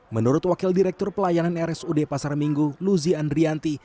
menurut wakil direktur pelayanan rsud pasar minggu luzi andrianti